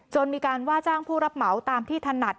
มีการว่าจ้างผู้รับเหมาตามที่ถนัด